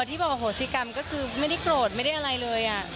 ที่บอกอโหสิกรรมก็คือไม่ได้โกรธไม่ได้อะไรเลย